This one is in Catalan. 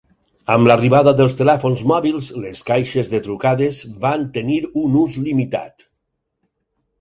Amb l'arribada dels telèfons mòbils, les caixes de trucades van tenir un ús limitat.